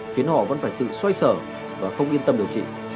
khiến họ vẫn phải tự xoay sở và không yên tâm điều trị